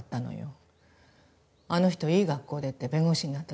あの人いい学校出て弁護士になったでしょ。